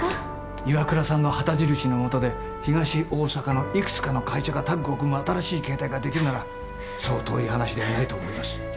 ＩＷＡＫＵＲＡさんの旗印のもとで東大阪のいくつかの会社がタッグを組む新しい形態ができるならそう遠い話ではないと思います。